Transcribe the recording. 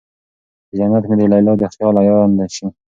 چې جنت مې د ليلا د خيال عيان شي